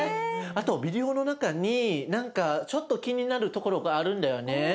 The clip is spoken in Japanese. あとビデオの中に何かちょっと気になるところがあるんだよね。